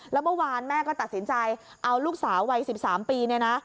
แล้วเมื่อวานแม่ก็ตัดสินใจเอาลูกสาววัย๑๓ปีเนี่ยนะ